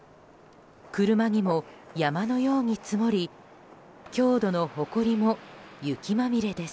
車にも山のように積もり郷土の誇りも雪まみれです。